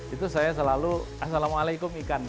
itu saya selalu assalamualaikum ikan